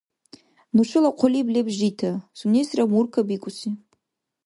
Нушала хъулиб леб жита, сунесра Мурка бикӀуси.